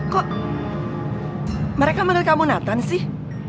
kok mereka manggil kamu nathan sih